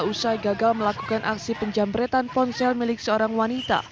usai gagal melakukan aksi penjamretan ponsel milik seorang wanita